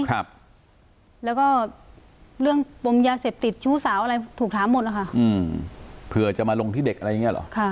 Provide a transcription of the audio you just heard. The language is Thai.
ต่อเมื่อพ่อหาแล้วถูกถามหมดอือเผื่อจะมาลงที่เด็กอะไรแบบนี้หรอ